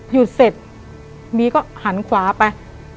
หยุดเสร็จมีก็หันขวาไป